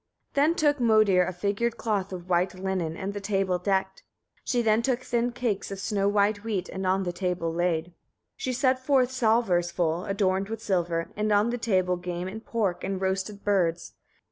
28. Then took Modir a figured cloth of white linen, and the table decked. She then took thin cakes of snow white wheat, and on the table laid. 29. She set forth salvers full, adorned with silver, on the table game and pork, and roasted birds.